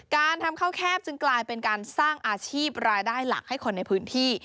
การทำข้าวแคบจึงกลายเป็นการสร้างอาชีพรายได้หลักให้คนในพื้นที่